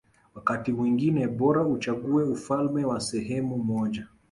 Wakati mwingine bora uchague ufalme wa sehemu moja